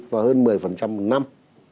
một mươi và hơn một mươi một năm